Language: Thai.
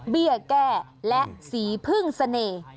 แก้และสีพึ่งเสน่ห์